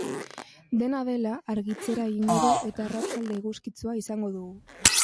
Dena dela, argitzera egingo du eta arratsalde eguzkitsua izango dugu.